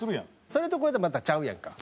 それとこれとはまたちゃうやんか。